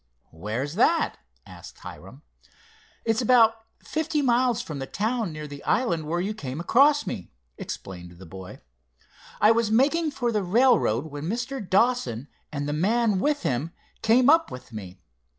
"Where's that?" asked Hiram. "It's about fifty miles from the town near the island where you came across me," explained the boy. "I was making for the railroad when Mr. Dawson and the man with him came up with me.